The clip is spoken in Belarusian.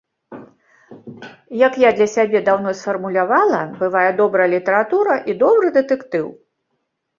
Як я для сябе даўно сфармулявала, бывае добрая літаратура і добры дэтэктыў.